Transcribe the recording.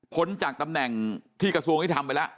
พ้นจากตำแหน่งที่กระทรวงอิทธรรมไปแล้ว